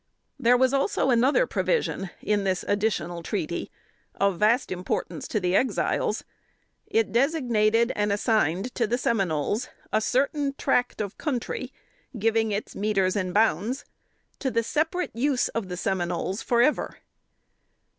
There was also another provision in this additional treaty of vast importance to the Exiles; it designated and assigned to the Seminoles a certain tract of country, giving its metes and bounds, to the "separate use of the Seminoles forever."